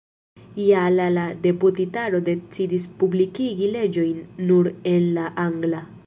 Je la la deputitaro decidis publikigi leĝojn nur en la angla.